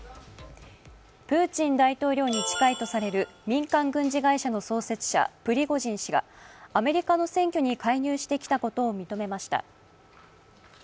プーチン大統領に近いとされる民間軍事会社の創設者、プリゴジン氏がアメリカの選挙に介入してきたことを認めました。